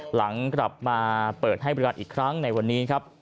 หลังกลับมาเปิดให้บริการอีกครั้งในวันนี้ครับ